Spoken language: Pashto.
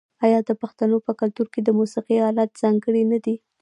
آیا د پښتنو په کلتور کې د موسیقۍ الات ځانګړي نه دي؟